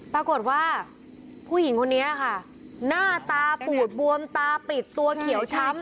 ปรากฏว่าผู้หญิงคนนี้ค่ะหน้าตาปูดบวมตาปิดตัวเขียวช้ำ